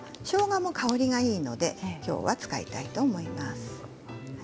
しょうがも香りがいいのできょうは使いたいと思います。